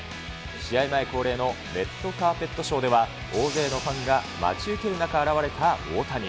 試合前恒例のレッドカーペットショーでは、大勢のファンが待ち受ける中、現れた大谷。